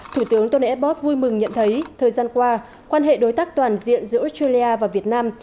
thủ tướng tok vui mừng nhận thấy thời gian qua quan hệ đối tác toàn diện giữa australia và việt nam